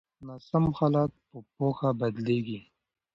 ناسم حالات په پوهه بدلیږي.